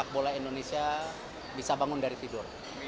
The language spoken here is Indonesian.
bola indonesia bisa bangun dari tidur